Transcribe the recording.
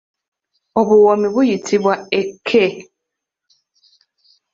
Obuwoomi buyitibwa ekke.